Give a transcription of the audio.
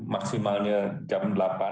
maksimalnya jam delapan